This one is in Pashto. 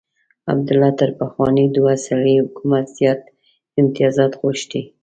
عبدالله تر پخواني دوه سري حکومت زیات امتیازات غوښتي.